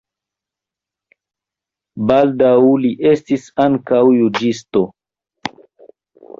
Baldaŭ li estis ankaŭ juĝisto.